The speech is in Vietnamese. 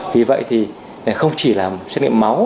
vì vậy thì không chỉ là xét nghiệm máu